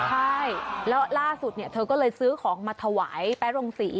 ใช่แล้วล่าสุดเนี่ยเธอก็เลยซื้อของมาถวายแป๊โรงศรี